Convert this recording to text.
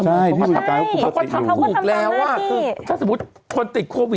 เขาก็ตัวว่านาติถ้าสมมุติคนติดโตวิต